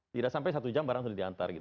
tidak sampai satu jam barang sudah diantar gitu